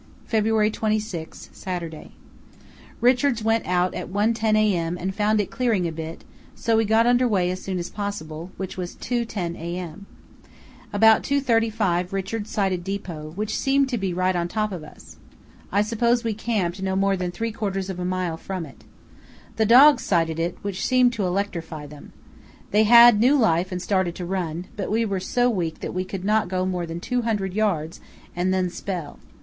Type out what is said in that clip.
"February 26, Saturday.—Richards went out 1.10 a.m. and found it clearing a bit, so we got under way as soon as possible, which was 2.10 a.m. About 2.35 Richards sighted depot, which seemed to be right on top of us. I suppose we camped no more than three quarters of a mile from it. The dogs sighted it, which seemed to electrify them. They had new life and started to run, but we were so weak that we could not go more than 200 yds. and then spell.